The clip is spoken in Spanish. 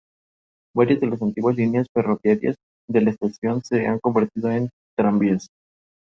Siguieron tocando juntas posteriormente en el instituto.